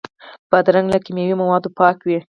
بادرنګ له کیمیاوي موادو پاک وي.